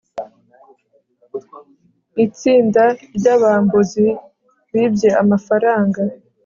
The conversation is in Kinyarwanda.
itsinda ryabambuzi bibye amafaranga